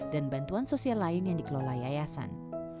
bantuan sosial lain yang dikelola yayasan